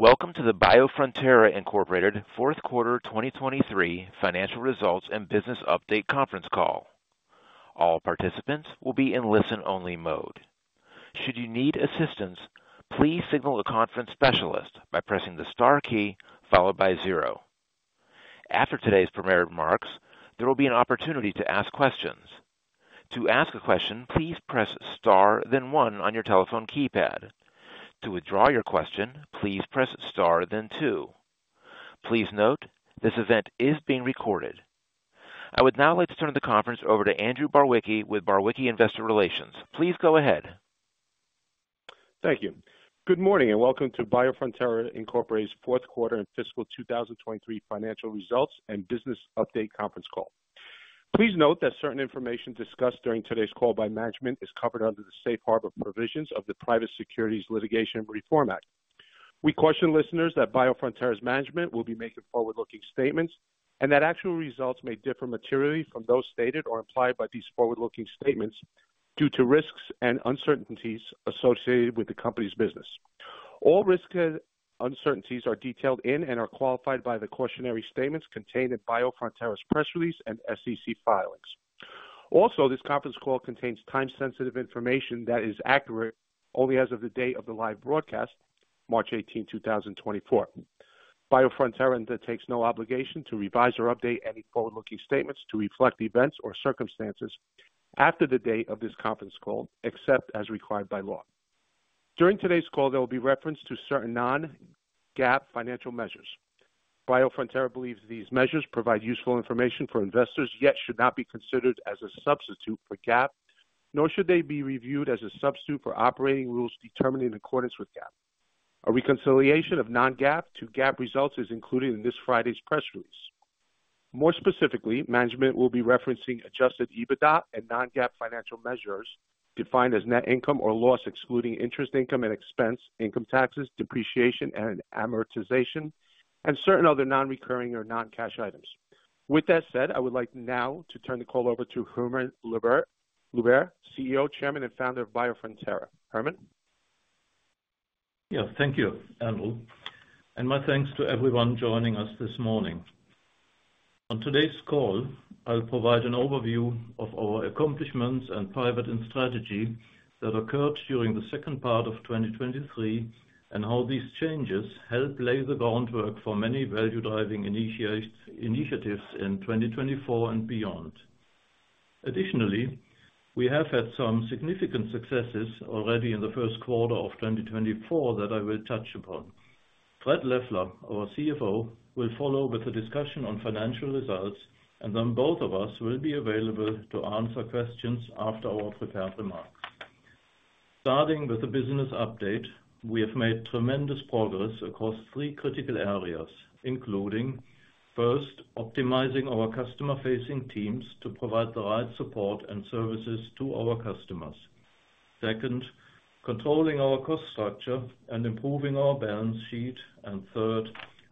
Welcome to the Biofrontera Incorporated Fourth Quarter 2023 Financial Results and Business Update Conference Call. All participants will be in listen-only mode. Should you need assistance, please signal the conference specialist by pressing the star key followed by zero. After today's prepared remarks, there will be an opportunity to ask questions. To ask a question, please press star then one on your telephone keypad. To withdraw your question, please press star then two. Please note, this event is being recorded. I would now like to turn the conference over to Andrew Barwicki with Barwicki Investor Relations. Please go ahead. Thank you. Good morning, and welcome to Biofrontera Inc.'s fourth quarter and fiscal year 2023 financial results and business update conference call. Please note that certain information discussed during today's call by management is covered under the safe harbor provisions of the Private Securities Litigation Reform Act. We caution listeners that Biofrontera Inc.'s management will be making forward-looking statements and that actual results may differ materially from those stated or implied by these forward-looking statements due to risks and uncertainties associated with the company's business. All risks and uncertainties are detailed in and are qualified by the cautionary statements contained in Biofrontera Inc.'s press release and SEC filings. Also, this conference call contains time-sensitive information that is accurate only as of the date of the live broadcast, March eighteen, two thousand and twenty-four. Biofrontera undertakes no obligation to revise or update any forward-looking statements to reflect events or circumstances after the date of this conference call, except as required by law. During today's call, there will be reference to certain non-GAAP financial measures. Biofrontera believes these measures provide useful information for investors, yet should not be considered as a substitute for GAAP, nor should they be reviewed as a substitute for operating rules determined in accordance with GAAP. A reconciliation of non-GAAP to GAAP results is included in this Friday's press release. More specifically, management will be referencing Adjusted EBITDA and non-GAAP financial measures, defined as net income or loss, excluding interest, income and expense, income taxes, depreciation and amortization, and certain other non-recurring or non-cash items. With that said, I would like now to turn the call over to Hermann Luebbert, CEO, Chairman, and Founder of Biofrontera. Hermann? Yeah, thank you, Andrew, and my thanks to everyone joining us this morning. On today's call, I'll provide an overview of our accomplishments and pivot in strategy that occurred during the second part of 2023, and how these changes help lay the groundwork for many value-driving initiatives, initiatives in 2024 and beyond. Additionally, we have had some significant successes already in the first quarter of 2024 that I will touch upon. Fred Leffler, our CFO, will follow with a discussion on financial results, and then both of us will be available to answer questions after our prepared remarks. Starting with the business update, we have made tremendous progress across three critical areas, including, first, optimizing our customer-facing teams to provide the right support and services to our customers. Second, controlling our cost structure and improving our balance sheet. And third,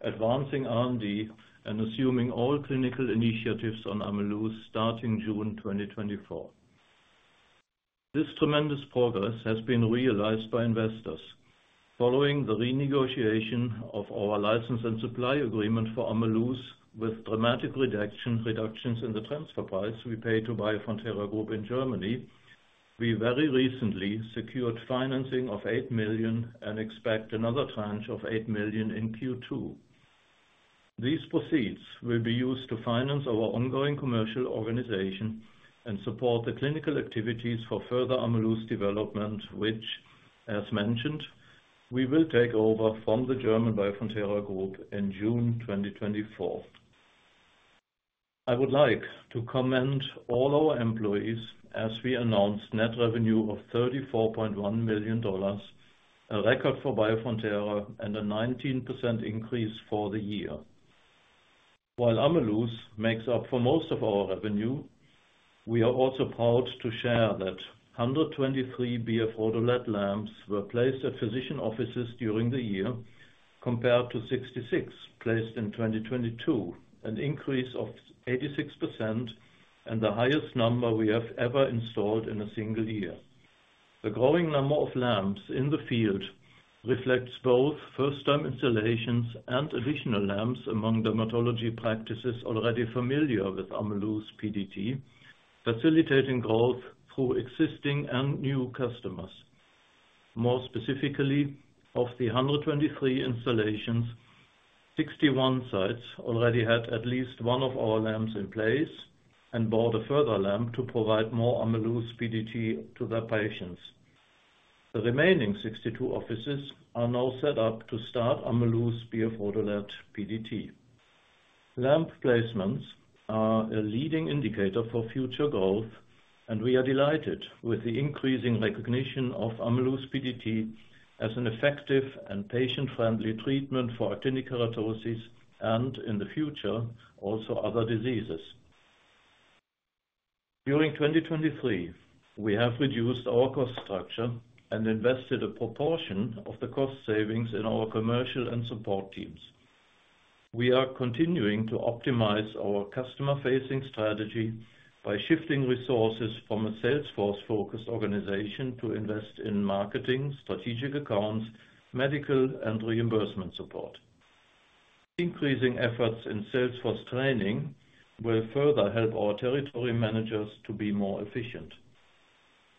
advancing R&D and assuming all clinical initiatives on Ameluz starting June 2024. This tremendous progress has been realized by investors. Following the renegotiation of our license and supply agreement for Ameluz, with dramatic reductions in the transfer price we paid to Biofrontera Group in Germany, we very recently secured financing of $8 million and expect another tranche of $8 million in Q2. These proceeds will be used to finance our ongoing commercial organization and support the clinical activities for further Ameluzdevelopment, which, as mentioned, we will take over from the German Biofrontera Group in June 2024. I would like to commend all our employees as we announce net revenue of $34.1 million, a record for Biofrontera and a 19% increase for the year. While Ameluz makes up for most of our revenue, we are also proud to share that 123 BF-RhodoLED lamps were placed at physician offices during the year, compared to 66 placed in 2022, an increase of 86% and the highest number we have ever installed in a single year. The growing number of lamps in the field reflects both first-time installations and additional lamps among dermatology practices already familiar with Ameluz's PDT, facilitating growth through existing and new customers. More specifically, of the 123 installations, 61 sites already had at least one of our lamps in place and bought a further lamp to provide more Ameluz's PDT to their patients. The remaining 62 offices are now set up to start Ameluz's BF-RhodoLED PDT. Lamp placements are a leading indicator for future growth, and we are delighted with the increasing recognition of Ameluz's PDT as an effective and patient-friendly treatment for actinic keratosis and, in the future, also other diseases. During 2023, we have reduced our cost structure and invested a proportion of the cost savings in our commercial and support teams. We are continuing to optimize our customer-facing strategy by shifting resources from a sales force-focused organization to invest in marketing, strategic accounts, medical and reimbursement support. Increasing efforts in sales force training will further help our territory managers to be more efficient.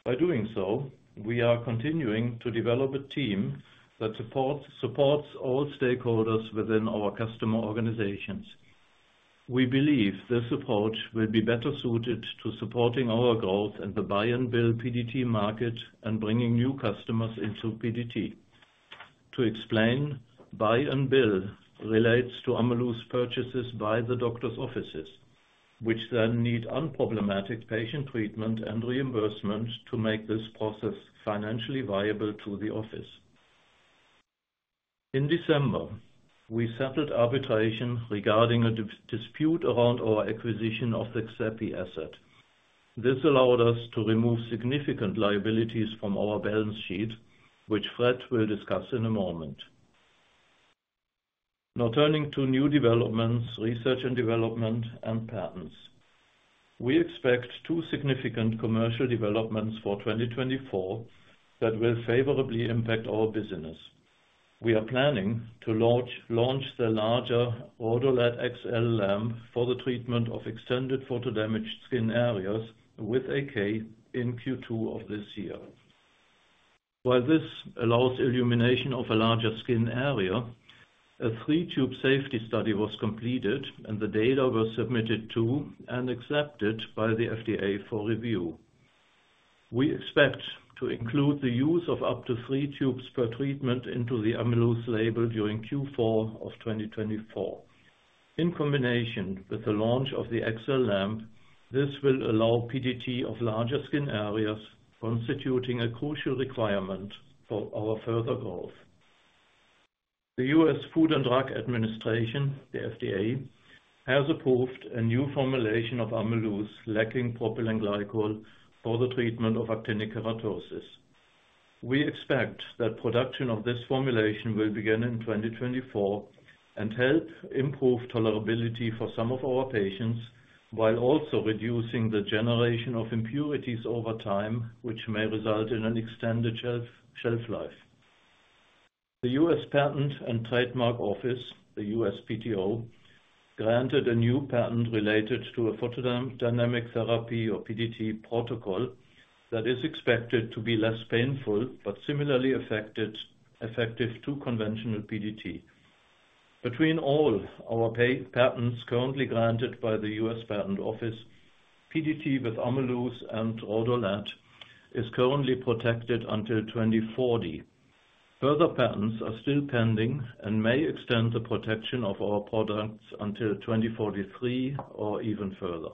By doing so, we are continuing to develop a team that supports, supports all stakeholders within our customer organizations. We believe this approach will be better suited to supporting our growth in the buy and bill PDT market and bringing new customers into PDT. To explain, Buy and Bill relates to Ameluz purchases by the doctor's offices, which then need unproblematic patient treatment and reimbursement to make this process financially viable to the office. In December, we settled arbitration regarding a dispute around our acquisition of the Xepi asset. This allowed us to remove significant liabilities from our balance sheet, which Fred will discuss in a moment. Now, turning to new developments, research and development, and patents. We expect two significant commercial developments for 2024 that will favorably impact our business. We are planning to launch the BF-RhodoLED XL lamp for the treatment of extended photodamaged skin areas with AK in Q2 of this year. While this allows illumination of a larger skin area, a three-tube safety study was completed, and the data was submitted to and accepted by the FDA for review. We expect to include the use of up to 3 tubes per treatment into the Ameluz label during Q4 of 2024. In combination with the launch of the XL lamp, this will allow PDT of larger skin areas, constituting a crucial requirement for our further growth. The U.S. Food and Drug Administration, the FDA, has approved a new formulation of Ameluz lacking propylene glycol for the treatment of actinic keratosis. We expect that production of this formulation will begin in 2024 and help improve tolerability for some of our patients, while also reducing the generation of impurities over time, which may result in an extended shelf life. The U.S. Patent and Trademark Office, the USPTO, granted a new patent related to a photodynamic therapy, or PDT protocol, that is expected to be less painful but similarly effective to conventional PDT. Between all our patents currently granted by the U.S. Patent and Trademark Office, PDT with Ameluz and BF-RhodoLED is currently protected until 2040. Further patents are still pending and may extend the protection of our products until 2043 or even further.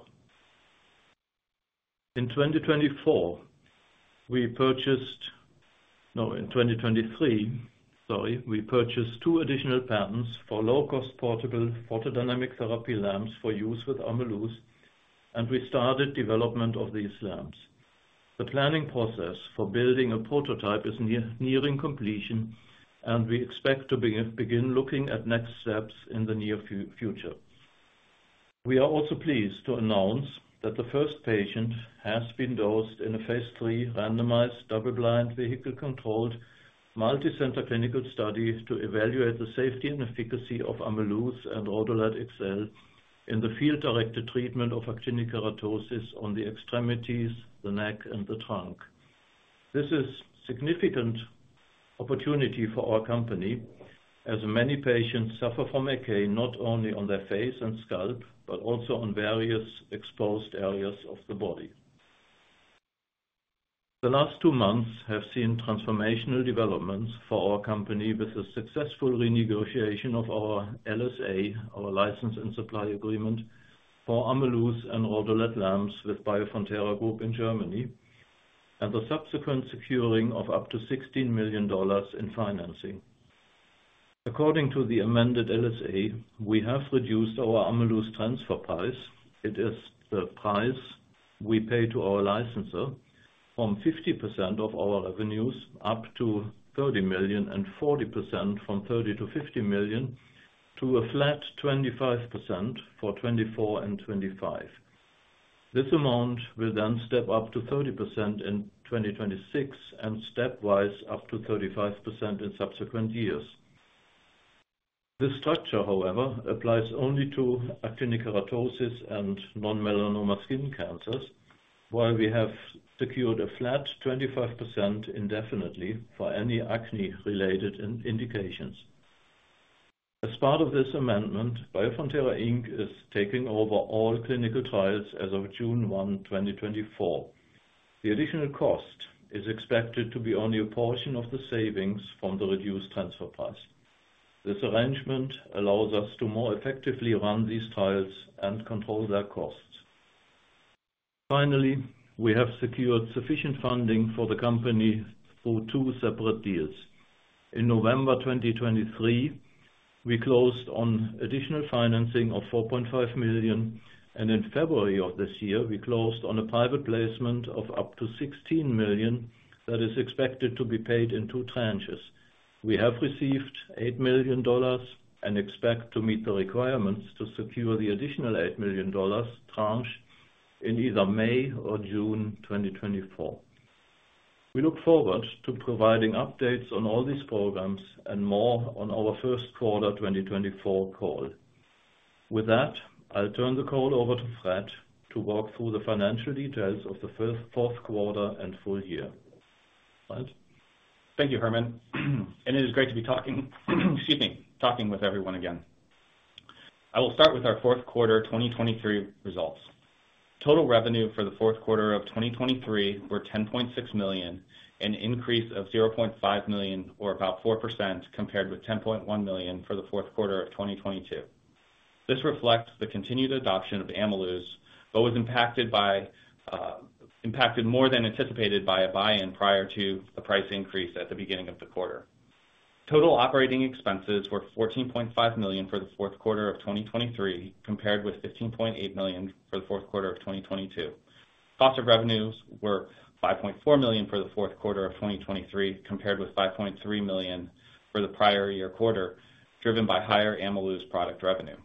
In 2024, we purchased... No, in 2023, sorry, we purchased two additional patents for low-cost portable photodynamic therapy lamps for use with Ameluz, and we started development of these lamps. The planning process for building a prototype is nearing completion, and we expect to begin looking at next steps in the near future. We are also pleased to announce that the first patient has been dosed in a phase three randomized, double-blind, vehicle-controlled, multicenter clinical study to evaluate the safety and efficacy of Ameluz and BF-RhodoLED XL in the field-directed treatment of actinic keratosis on the extremities, the neck, and the trunk. This is significant opportunity for our company, as many patients suffer from AK, not only on their face and scalp, but also on various exposed areas of the body. The last two months have seen transformational developments for our company with the successful renegotiation of our LSA, our license and supply agreement, for Ameluz and BF-RhodoLED lamps with Biofrontera Group in Germany, and the subsequent securing of up to $16 million in financing. According to the amended LSA, we have reduced our Ameluz transfer price. It is the price we pay to our licensor from 50% of our revenues, up to $30 million and 40%, from $30 million to $50 million, to a flat 25% for 2024 and 2025. This amount will then step up to 30% in 2026 and stepwise up to 35% in subsequent years. This structure, however, applies only to Actinic Keratosis and Non-Melanoma Skin Cancer, while we have secured a flat 25% indefinitely for any acne-related indications. As part of this amendment, Biofrontera Inc. is taking over all clinical trials as of June 1st, 2024. The additional cost is expected to be only a portion of the savings from the reduced transfer price. This arrangement allows us to more effectively run these trials and control their costs. Finally, we have secured sufficient funding for the company through two separate deals. In November 2023, we closed on additional financing of $4.5 million, and in February of this year, we closed on a private placement of up to $16 million that is expected to be paid in two tranches.... We have received $8 million and expect to meet the requirements to secure the additional $8 million tranche in either May or June 2024. We look forward to providing updates on all these programs and more on our first quarter 2024 call. With that, I'll turn the call over to Fred to walk through the financial details of the fourth quarter and full year. Fred? Thank you, Hermann. It is great to be talking, excuse me, talking with everyone again. I will start with our fourth quarter 2023 results. Total revenue for the fourth quarter of 2023 were $10.6 million, an increase of $0.5 million, or about 4%, compared with $10.1 million for the fourth quarter of 2022. This reflects the continued adoption of Ameluz, but was impacted more than anticipated by a buy-in prior to the price increase at the beginning of the quarter. Total operating expenses were $14.5 million for the fourth quarter of 2023, compared with $15.8 million for the fourth quarter of 2022. Cost of revenues were $5.4 million for the fourth quarter of 2023, compared with $5.3 million for the prior year quarter, driven by higher Ameluz product revenue.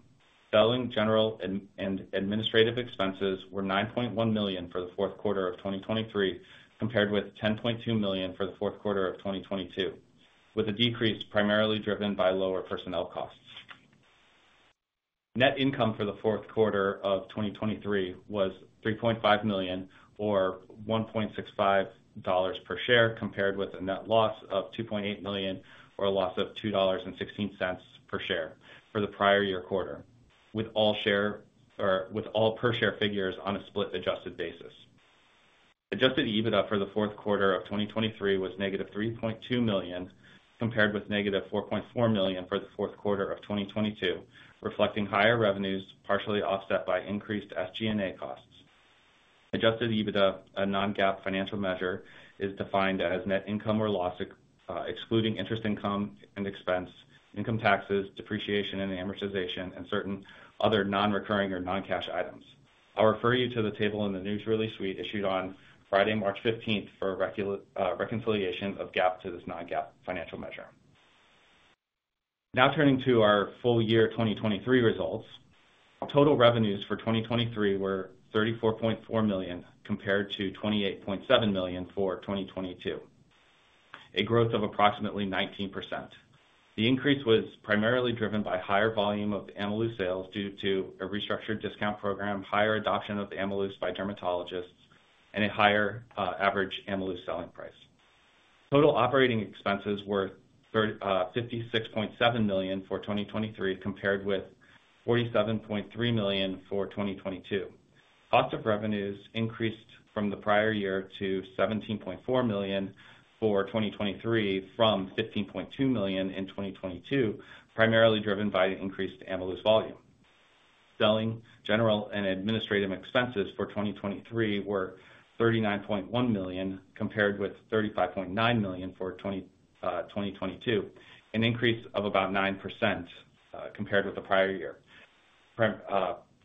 Selling general and administrative expenses were $9.1 million for the fourth quarter of 2023, compared with $10.2 million for the fourth quarter of 2022, with a decrease primarily driven by lower personnel costs. Net income for the fourth quarter of 2023 was $3.5 million, or $1.65 per share, compared with a net loss of $2.8 million, or a loss of $2.16 per share for the prior year quarter, with all per share figures on a split-adjusted basis. Adjusted EBITDA for the fourth quarter of 2023 was -$3.2 million, compared with -$4.4 million for the fourth quarter of 2022, reflecting higher revenues, partially offset by increased SG&A costs. Adjusted EBITDA, a non-GAAP financial measure, is defined as net income or loss, excluding interest income and expense, income taxes, depreciation and amortization, and certain other non-recurring or non-cash items. I'll refer you to the table in the news release we issued on Friday, March 15, for a reconciliation of GAAP to this non-GAAP financial measure. Now turning to our full year 2023 results. Total revenues for 2023 were $34.4 million, compared to $28.7 million for 2022, a growth of approximately 19%. The increase was primarily driven by higher volume of the Ameluz sales due to a restructured discount program, higher adoption of the Ameluz by dermatologists, and a higher average Ameluz selling price. Total operating expenses were $56.7 million for 2023, compared with $47.3 million for 2022. Cost of revenues increased from the prior year to $17.4 million for 2023, from $15.2 million in 2022, primarily driven by the increased Ameluz volume. Selling, general, and administrative expenses for 2023 were $39.1 million, compared with $35.9 million for 2022, an increase of about 9%, compared with the prior year,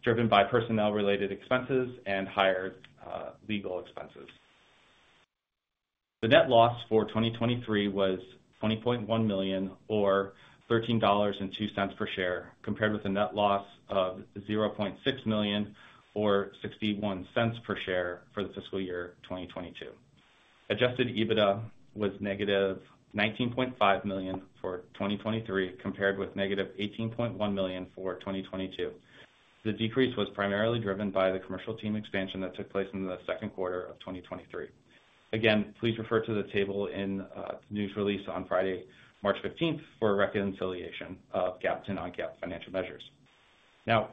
driven by personnel-related expenses and higher legal expenses. The net loss for 2023 was $20.1 million, or $13.02 per share, compared with a net loss of $0.6 million, or $0.61 per share for the fiscal year 2022. Adjusted EBITDA was negative $19.5 million for 2023, compared with negative $18.1 million for 2022. The decrease was primarily driven by the commercial team expansion that took place in the second quarter of 2023. Again, please refer to the table in the news release on Friday, March 15th, for a reconciliation of GAAP to non-GAAP financial measures. Now,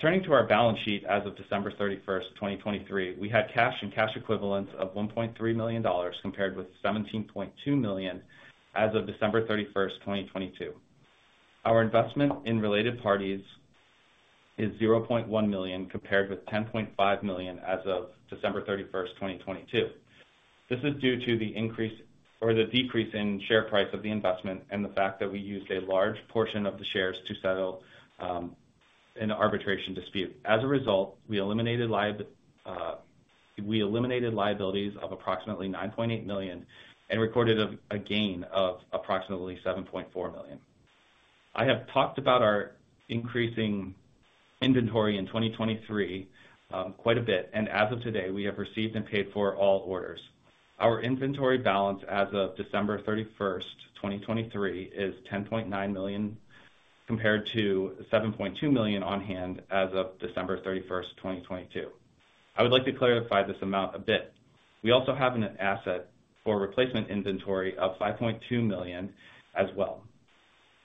turning to our balance sheet as of December 31st, 2023, we had cash and cash equivalents of $1.3 million, compared with $17.2 million as of December 31st, 2022. Our investment in related parties is $0.1 million, compared with $10.5 million as of December 31, 2022. This is due to the increase or the decrease in share price of the investment and the fact that we used a large portion of the shares to settle an arbitration dispute. As a result, we eliminated liabilities of approximately $9.8 million and recorded a gain of approximately $7.4 million. I have talked about our increasing inventory in 2023 quite a bit, and as of today, we have received and paid for all orders. Our inventory balance as of December 31, 2023, is $10.9 million, compared to $7.2 million on hand as of December 31, 2022. I would like to clarify this amount a bit. We also have an asset for replacement inventory of $5.2 million as well.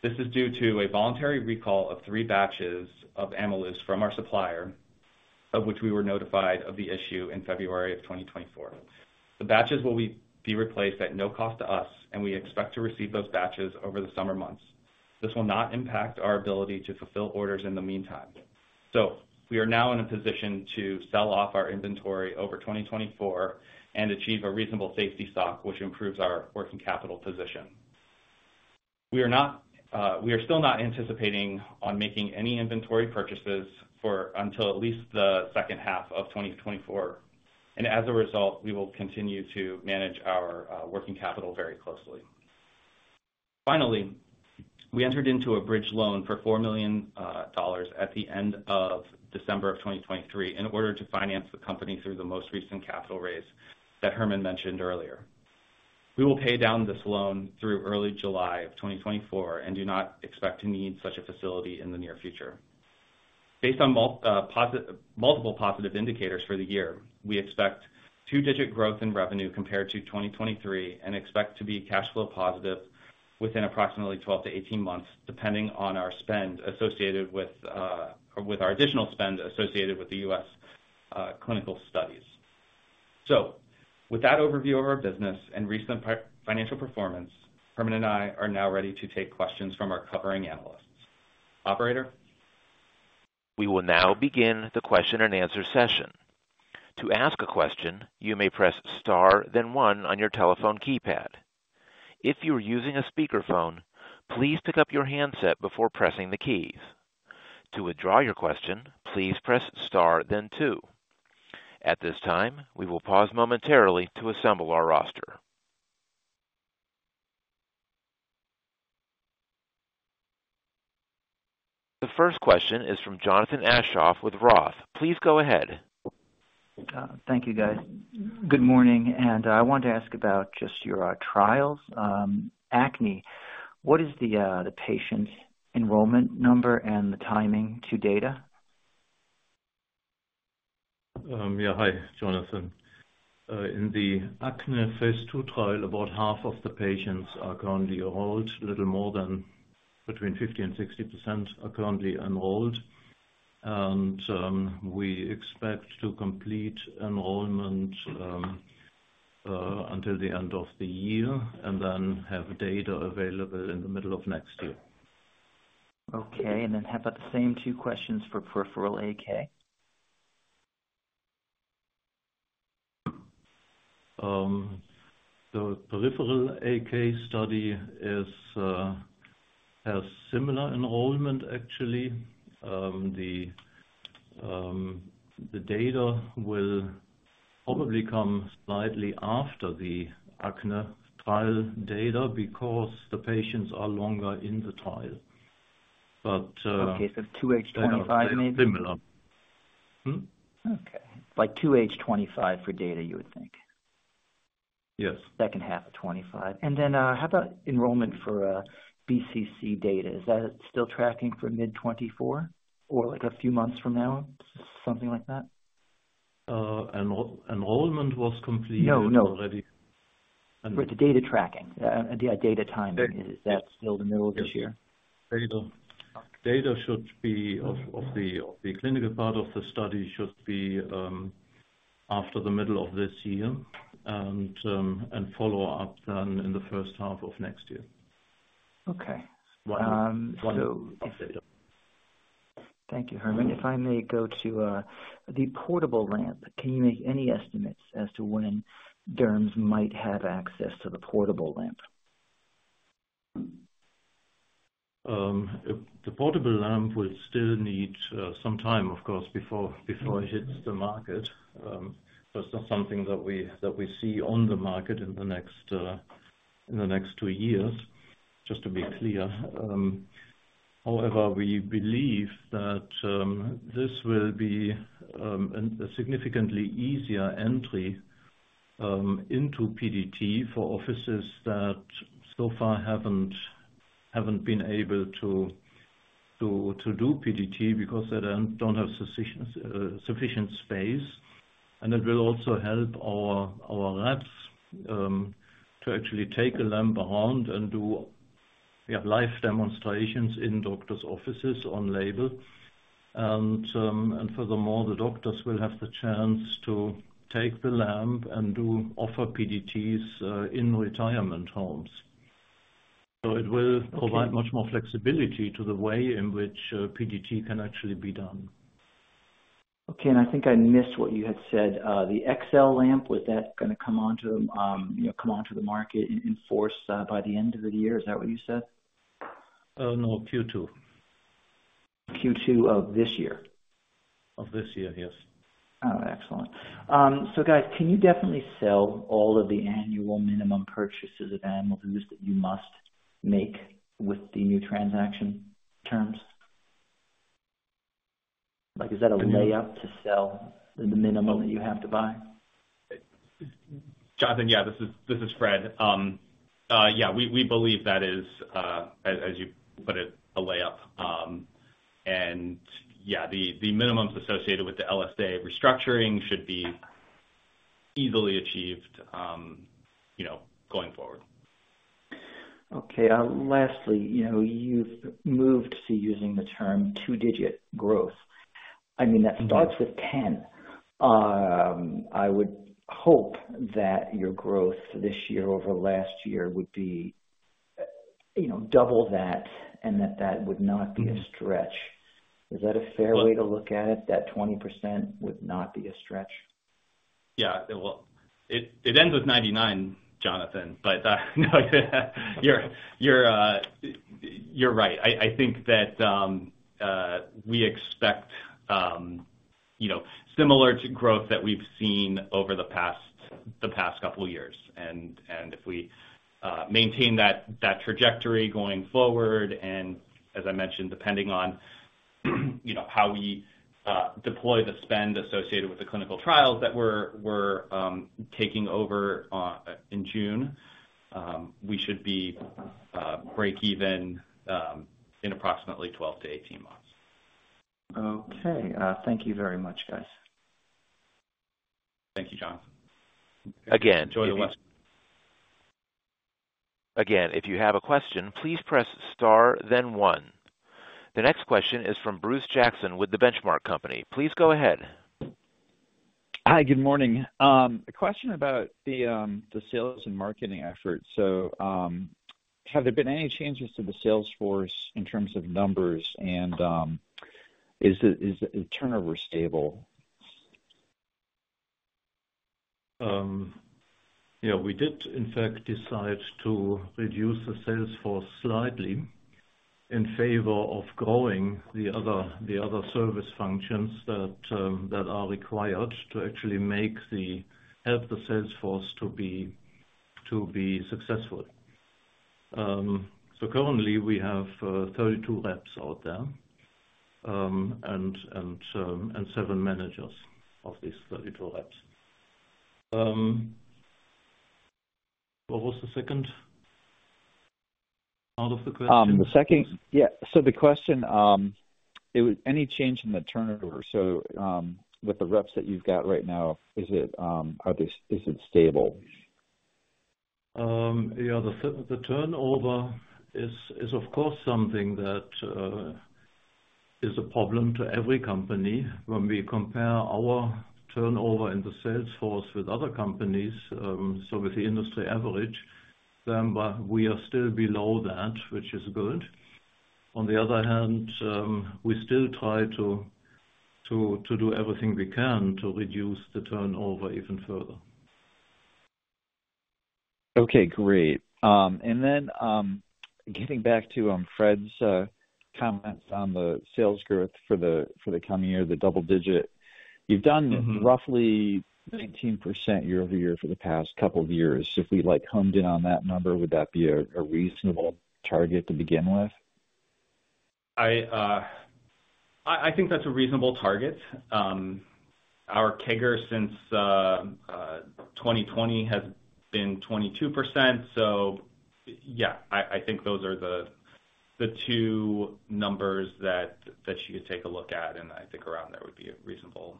This is due to a voluntary recall of 3 batches of Ameluz from our supplier, of which we were notified of the issue in February 2024. The batches will be replaced at no cost to us, and we expect to receive those batches over the summer months. This will not impact our ability to fulfill orders in the meantime. So we are now in a position to sell off our inventory over 2024 and achieve a reasonable safety stock, which improves our working capital position. We are not, we are still not anticipating on making any inventory purchases for until at least the second half of 2024, and as a result, we will continue to manage our working capital very closely. Finally, we entered into a bridge loan for $4 million at the end of December of 2023 in order to finance the company through the most recent capital raise that Hermann mentioned earlier. We will pay down this loan through early July of 2024 and do not expect to need such a facility in the near future. Based on multiple positive indicators for the year, we expect two-digit growth in revenue compared to 2023, and expect to be cash flow positive within approximately 12 months-18 months, depending on our spend associated with our additional spend associated with the U.S. clinical studies. So with that overview of our business and recent financial performance, Hermann and I are now ready to take questions from our covering analysts. Operator? We will now begin the question and answer session. To ask a question, you may press star then one on your telephone keypad. If you are using a speakerphone, please pick up your handset before pressing the keys. To withdraw your question, please press star then two. At this time, we will pause momentarily to assemble our roster. The first question is from Jonathan Aschoff with Roth. Please go ahead. Thank you, guys. Good morning, and I want to ask about just your trials. Acne, what is the patient enrollment number and the timing to data? Yeah. Hi, Jonathan. In the acne phase 2 trial, about half of the patients are currently enrolled. A little more than between 50% and 60% are currently enrolled. And we expect to complete enrollment until the end of the year, and then have data available in the middle of next year. Okay, and then how about the same two questions for peripheral AK? The peripheral AK study has similar enrollment actually. The data will probably come slightly after the acne trial data because the patients are longer in the trial. But, Okay, so 2H 2025 maybe? Similar. Hmm? Okay. Like 2H 2025 for data, you would think? Yes. Second half of 2025. And then, how about enrollment for BCC data? Is that still tracking for mid-2024 or like a few months from now, something like that? Enrollment was completed already. No, no. And- With the data tracking, the data timing, is that still the middle of this year? Data of the clinical part of the study should be after the middle of this year, and follow up then in the first half of next year. Okay. One update. Thank you, Hermann. If I may go to the portable lamp, can you make any estimates as to when derms might have access to the portable lamp? The portable lamp will still need some time, of course, before it hits the market. But it's not something that we see on the market in the next two years. Just to be clear. However, we believe that this will be a significantly easier entry into PDT for offices that so far haven't been able to do PDT because they don't have sufficient space. And it will also help our reps to actually take a lamp around and do, yeah, live demonstrations in doctors' offices on label. And furthermore, the doctors will have the chance to take the lamp and do offer PDTs in retirement homes. Okay. So it will provide much more flexibility to the way in which PDT can actually be done. Okay. And I think I missed what you had said. The XL lamp, was that gonna come onto, you know, come onto the market in force, by the end of the year? Is that what you said? No, Q2. Q2 of this year? Of this year, yes. Oh, excellent. So guys, can you definitely sell all of the annual minimum purchases of Ameluz that you must make with the new transaction terms? Like, is that a lay-up to sell the minimum that you have to buy? Jonathan, yeah, this is Fred. Yeah, we believe that is, as you put it, a lay-up. And yeah, the minimums associated with the LSA restructuring should be easily achieved, you know, going forward. Okay. Lastly, you know, you've moved to using the term two-digit growth. Mm-hmm. I mean, that starts with 10. I would hope that your growth this year over last year would be, you know, double that, and that that would not be a stretch. Is that a fair way to look at it, that 20% would not be a stretch?... Yeah, well, it ends with 99, Jonathan, but no, you're right. I think that we expect, you know, similar to growth that we've seen over the past couple of years. And if we maintain that trajectory going forward, and as I mentioned, depending on, you know, how we deploy the spend associated with the clinical trials that we're taking over in June, we should be breakeven in approximately 12 months-18 months. Okay. Thank you very much, guys. Thank you, Jonathan. Again- Enjoy the rest. Again, if you have a question, please press star, then one. The next question is from Bruce Jackson with The Benchmark Company. Please go ahead. Hi, good morning. A question about the sales and marketing efforts. So, have there been any changes to the sales force in terms of numbers? And, is the turnover stable? Yeah, we did, in fact, decide to reduce the sales force slightly in favor of growing the other, the other service functions that that are required to actually make help the sales force to be, to be successful. So currently, we have 32 reps out there, and seven managers of these 32 reps. What was the second part of the question? The second. Yeah, so the question, it was any change in the turnover? So, with the reps that you've got right now, is it, are they, is it stable? Yeah, the turnover is, of course, something that is a problem to every company. When we compare our turnover in the sales force with other companies, so with the industry average, then we are still below that, which is good. On the other hand, we still try to do everything we can to reduce the turnover even further. Okay, great. And then, getting back to Fred's comments on the sales growth for the coming year, the double digit. You've done- Mm-hmm... roughly 19% year-over-year for the past couple of years. If we, like, honed in on that number, would that be a, a reasonable target to begin with? I, I think that's a reasonable target. Our CAGR since 2020 has been 22%. So yeah, I think those are the two numbers that you could take a look at, and I think around there would be a reasonable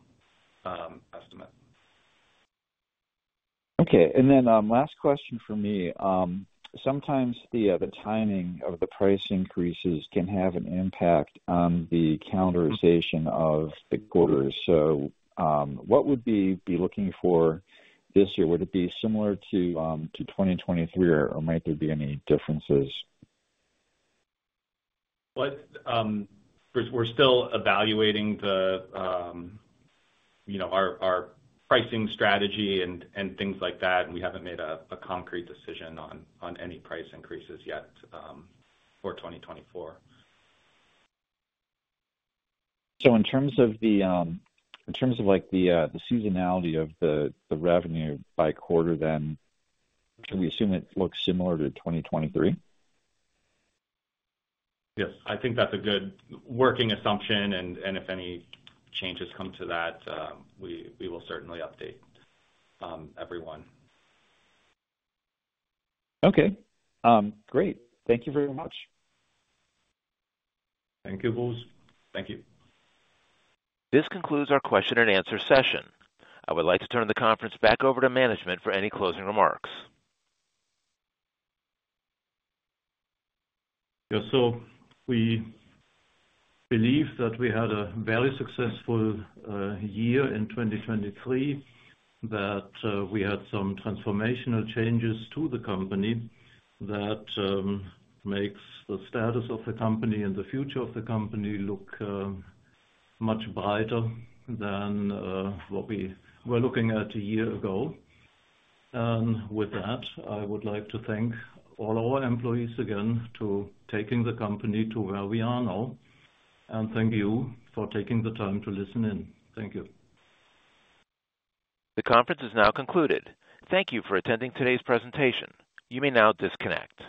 estimate. Okay. And then, last question for me. Sometimes the timing of the price increases can have an impact on the calendarization of the quarters. So, what would we be looking for this year? Would it be similar to 2023, or might there be any differences? Well, we're still evaluating, you know, our pricing strategy and things like that, and we haven't made a concrete decision on any price increases yet for 2024. So in terms of, like, the seasonality of the revenue by quarter, then, can we assume it looks similar to 2023? Yes, I think that's a good working assumption, and if any changes come to that, we will certainly update everyone. Okay. Great. Thank you very much. Thank you, Bruce. Thank you. This concludes our question and answer session. I would like to turn the conference back over to management for any closing remarks. Yeah, so we believe that we had a very successful year in 2023, that we had some transformational changes to the company that makes the status of the company and the future of the company look much brighter than what we were looking at a year ago. And with that, I would like to thank all our employees again to taking the company to where we are now. And thank you for taking the time to listen in. Thank you. The conference is now concluded. Thank you for attending today's presentation. You may now disconnect.